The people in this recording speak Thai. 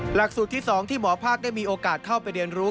หลักสูตรที่๒ที่หมอภาคได้มีโอกาสเข้าไปเรียนรู้